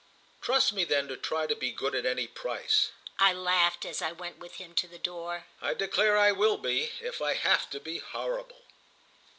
"Trust me then to try to be good at any price!" I laughed as I went with him to the door. "I declare I will be, if I have to be horrible!"